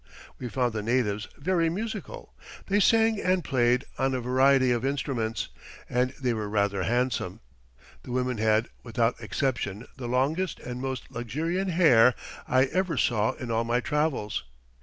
"We found the natives very musical; they sang and played on a variety of instruments, and they were rather handsome. The women had, without exception, the longest and most luxuriant hair I ever saw in all my travels.